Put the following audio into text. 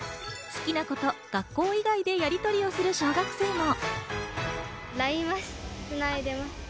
好きな子と学校以外でやりとりをする小学生も。